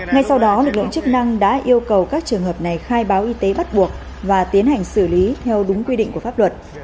ngay sau đó lực lượng chức năng đã yêu cầu các trường hợp này khai báo y tế bắt buộc và tiến hành xử phạt